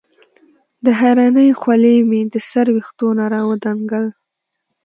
د حېرانۍ خولې مې د سر وېښتو نه راودنګل